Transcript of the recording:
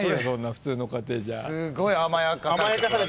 普通の家庭じゃ。